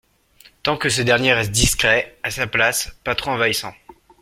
tant que ce dernier reste discret, à sa place, pas trop envahissant.